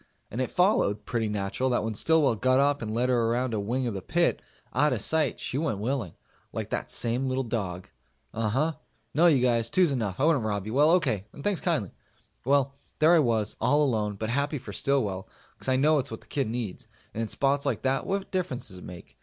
And it followed pretty natural that when Stillwell got up and led her around a wing of the pit, out of sight, she went willing like that same little dog. Uhuh. No, you guys. Two's enough. I wouldn't rob you. Well, okay, and thanks kindly. Well, there I was, all alone, but happy for Stillwell, cause I know it's what the kid needs, and in spots like that what difference does it make?